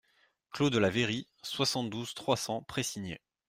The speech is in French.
Clos de la Vairie, soixante-douze, trois cents Précigné